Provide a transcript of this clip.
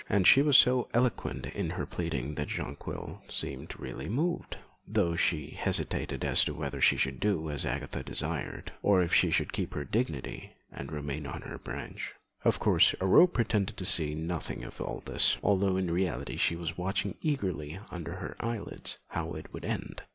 And she was so eloquent in her pleading that Jonquil seemed really moved, though she hesitated as to whether she should do as Agatha desired, or if she should keep her dignity and remain on her branch. Of course, Aurore pretended to see nothing of all this, although in reality she was watching eagerly under her eyelids how it would end.